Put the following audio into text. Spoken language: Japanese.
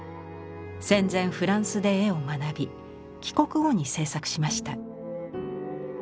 戦前フランスで絵を学び帰国後に制作しました。